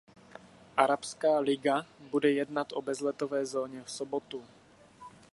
Arabská liga bude jednat o bezletové zóně v sobotu.